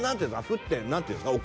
沸点何ていうんですか？